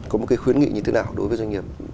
có một cái khuyến nghị như thế nào đối với doanh nghiệp